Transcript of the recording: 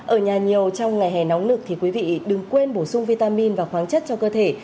ở nhà nhiều trong ngày hè nóng lực thì quý vị đừng quên bổ sung vitamin và khoáng chất cho cơ thể